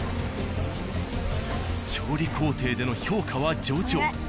調理工程での評価は上々。